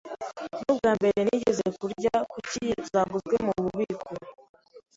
Nubwambere nigeze kurya kuki zaguzwe mububiko.